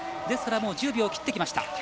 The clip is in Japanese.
ですから、１０秒を切りました。